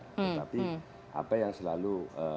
tapi apa yang selalu